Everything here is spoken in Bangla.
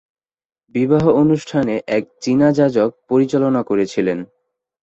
বিবাহ অনুষ্ঠানে এক চীনা যাজক পরিচালনা করেছিলেন।